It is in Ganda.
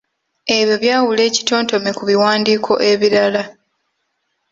Ebyo byawula ekitontome ku biwandiiko ebirala.